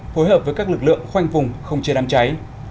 phối hợp với các lực lượng khoanh vùng không chế đám cháy